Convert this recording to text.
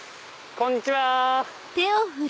こんにちは。